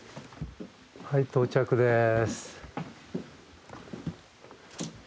はい到着です。